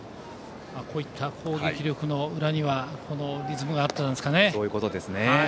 こういった攻撃力の裏にはこのリズムがあったんですかね。